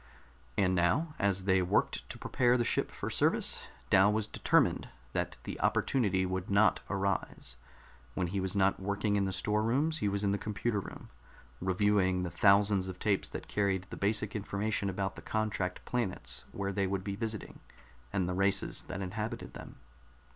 And now, as they worked to prepare the ship for service, Dal was determined that the opportunity would not arise. When he was not working in the storerooms, he was in the computer room, reviewing the thousands of tapes that carried the basic information about the contract planets where they would be visiting, and the races that inhabited them.